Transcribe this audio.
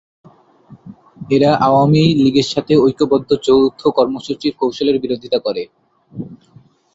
এরা আওয়ামী লীগের সাথে ঐক্যবদ্ধ যৌথ কর্মসূচির কৌশলের বিরোধিতা করে।